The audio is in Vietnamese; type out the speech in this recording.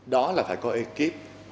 đó là phải có ekip